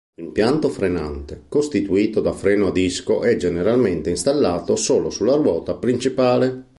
L'impianto frenante, costituito da freno a disco è generalmente installato sulla sola ruota principale.